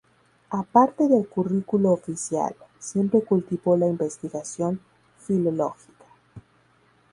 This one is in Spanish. Aparte del currículo oficial, siempre cultivó la investigación filológica.